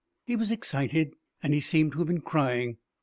He was excited and he seemed to have been crying.